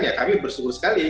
ya kami bersyukur sekali